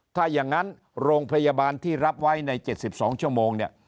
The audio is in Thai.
ถ้าอย่างนั้นโรงพยาบาลที่รับไว้ใน๗๒ชั่วโมงเนี่ย